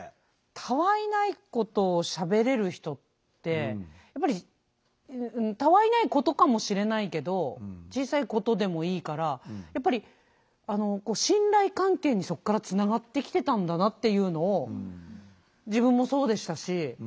たわいないことをしゃべれる人ってたわいないことかもしれないけど小さいことでもいいからやっぱり信頼関係にそこからつながってきてたんだなっていうのを自分もそうでしたし。